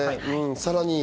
さらに。